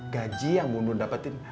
gaji yang bun bun dapetin